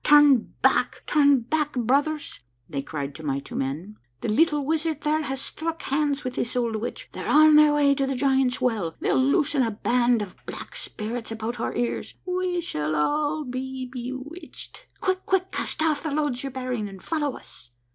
" Turn back, turn back, brothei*s," they cried to my two men. " The little wizard there has struck hands with this old witch. They're on their way to the Giants' Well. They'll loosen a band of black spirits about our ears. We shall all be bewitched. Quick ! Quick! Cast off the loads ye're bearing and follow us."